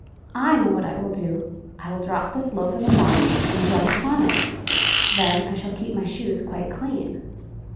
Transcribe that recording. I know what I will do! I will drop this loaf in the marsh and jump upon it; then I shall keep my shoes quite clean."